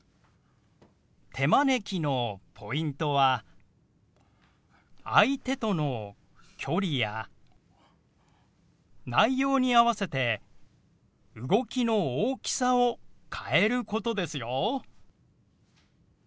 「手招き」のポイントは相手との距離や内容に合わせて動きの大きさを変えることですよ。